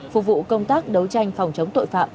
phục vụ công tác đấu tranh phòng chống tội phạm